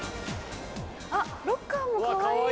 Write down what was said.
あっロッカーもかわいい。